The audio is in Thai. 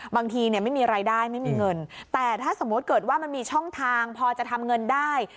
บางทีเนี่ยไม่มีรายได้ไม่มีเงินแต่ถ้าสมมุติเกิดว่ามันมีช่องทางพอจะทำเงินได้